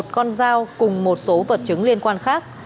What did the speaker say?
một con dao cùng một số vật chứng liên quan khác